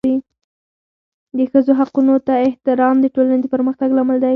د ښځو حقونو ته احترام د ټولنې د پرمختګ لامل دی.